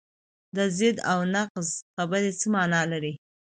دا ضد و نقیض خبرې څه معنی لري؟